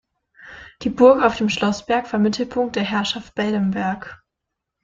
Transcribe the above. Die Burg auf dem Schlossberg war Mittelpunkt der Herrschaft Bellenberg.